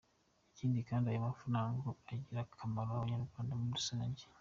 Ikindi kandi aya mafaranga ngo agirira akamaro Abanyarwanda muri rusange.